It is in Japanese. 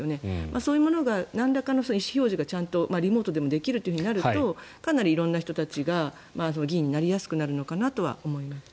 そういうものがなんらかの意思表示がちゃんとリモートでもできるとなるとかなり色んな人たちが議員になりやすくなるのかなとは思います。